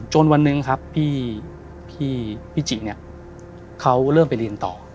วันหนึ่งครับพี่จิเนี่ยเขาเริ่มไปเรียนต่อ